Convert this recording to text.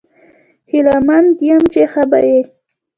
هیله مند یم چې ښه به یې